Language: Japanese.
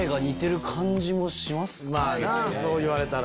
まぁなそう言われたら。